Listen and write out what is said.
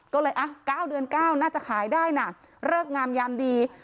ก็เลยอ่ะเก้าเดือนเก้าน่าจะขายได้น่ะเริกงามยามดี